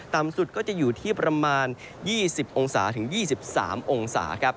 ต่ำสุดก็จะอยู่ที่ประมาณ๒๐๒๓องศาเซียต